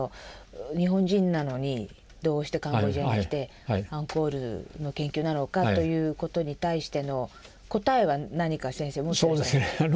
日本人なのにどうしてカンボジアに来てアンコールの研究なのかということに対しての答えは何か先生持ってらっしゃった？